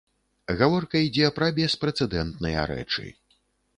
Гаворка ідзе пра беспрэцэдэнтныя рэчы.